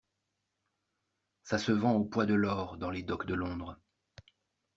Ça se vend au poids de l'or dans les docks de Londres!